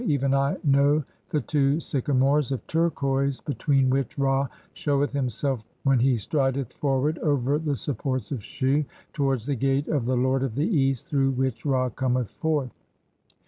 I, even I, know the two syca "mores (5) of turquoise between which Ra sheweth himself when "he strideth forward over the supports of Shu x towards the gate "(6) of the lord of the East through which Ra cometh forth.